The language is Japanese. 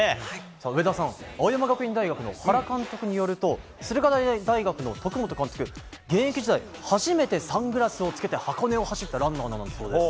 上田さん、青山学院大学の原監督によると、徳本監督は現役時代初めてサングラスをつけて箱根を走ったランナーなんだそうです。